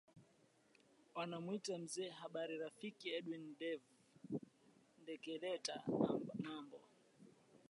wanamuita mzee wa habari rafiki edwin dave ndekeleta mambo